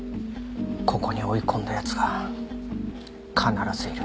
ここに追い込んだ奴が必ずいる。